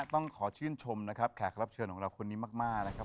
ต้องขอชื่นชมนะครับแขกรับเชิญของเราคนนี้มากนะครับ